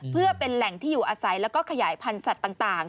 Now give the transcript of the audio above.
เพื่อเป็นแหล่งที่อยู่อาศัยแล้วก็ขยายพันธุ์สัตว์ต่าง